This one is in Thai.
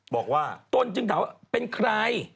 บอกว่าตนจึงถามว่าเป็นใคร